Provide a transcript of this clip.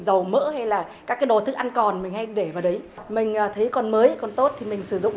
dầu mỡ hay là các cái đồ thức ăn còn mình hay để vào đấy mình thấy còn mới còn tốt thì mình sử dụng